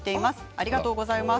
ありがとうございます。